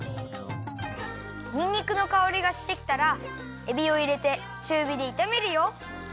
にんにくのかおりがしてきたらえびをいれてちゅうびでいためるよ。